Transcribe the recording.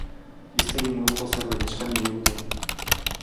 Hiztegi moduko zerbait eskaini digute.